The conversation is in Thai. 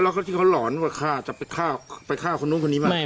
แล้วเขาล้อนเนอะว่าจะไปฆ่าคนแบบนี้มา